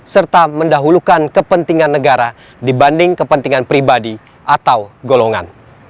serta mendahulukan kepentingan negara dibanding kepentingan pribadi atau golongan